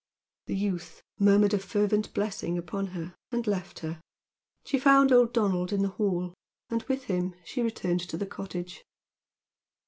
The youth murmured a fervent blessing upon her, and left her. She found old Donald in the hall, and with him she returned to her cottage.